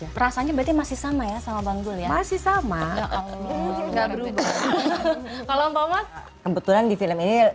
itu aja rasanya bete masih sama ya sama banggul ya masih sama kalau mbak kebetulan di film ini